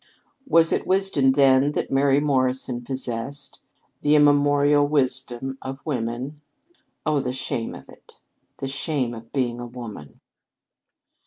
'"... Was it wisdom, then, that Mary Morrison possessed the immemorial wisdom of women? Oh, the shame of it! The shame of being a woman!